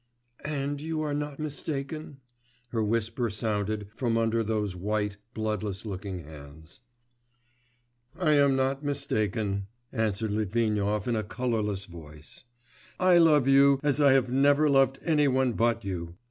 'And you are not mistaken?' her whisper sounded from under those white, bloodless looking hands. 'I am not mistaken,' answered Litvinov in a colourless voice. 'I love you, as I have never loved any one but you.